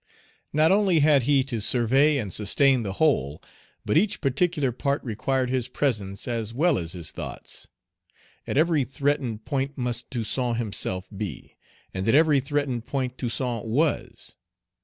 Not only had he to survey and sustain the whole, but each particular part required his presence as well as his thoughts. At every threatened point must Toussaint himself be, and at every threatened point Toussaint was.